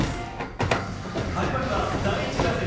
始まりは第１打席。